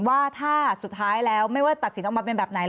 ว่าถ้าสุดท้ายแล้วไม่ว่าตัดสินออกมาเป็นแบบไหน